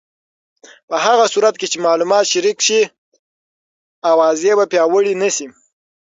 په هغه صورت کې چې معلومات شریک شي، اوازې به پیاوړې نه شي.